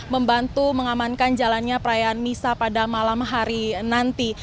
membantu mengamankan jalannya perayaan misa pada malam hari nanti